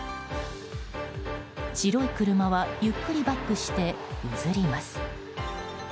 白い車はゆっくりバックして譲ります。